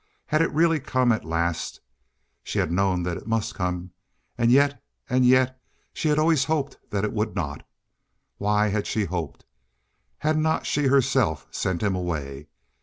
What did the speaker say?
Had it really come at last? She had known that it must come, and yet—and yet she had always hoped that it would not. Why had she hoped? Had not she herself sent him away?